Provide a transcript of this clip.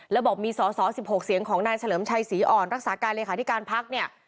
แล้วบอกมีสอสอ๑๖เสียงของนายเฉลิมชัยศรีอ่อนรักษาการเลขาธิการพักเนี่ย